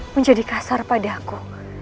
menjadi kasar padaku